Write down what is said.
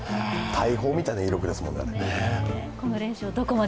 大砲みたいな威力ですもん。